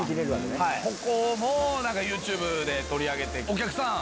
ここもＹｏｕＴｕｂｅで取り上げてお客さん